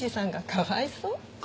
かわいそう？